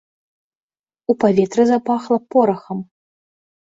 У паветры запахла порахам.